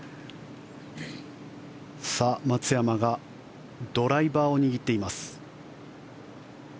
松山がドライバーを握っています。